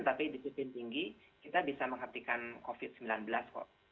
tapi disiplin tinggi kita bisa menghentikan covid sembilan belas kok